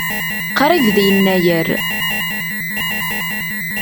Qrib d Yennayer.